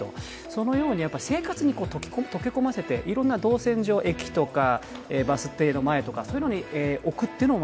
そのように生活に溶け込ませて、いろんな動線上駅とかバス停の前とかそういうのに置くっていうのも